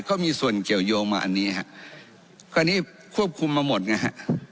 เขามีส่วนเกี่ยวยงมาอันนี้ฮะก็อันนี้ควบคุมมาหมดนะฮะ